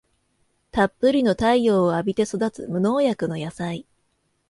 たっぷりの太陽を浴びて育つ無農薬の野菜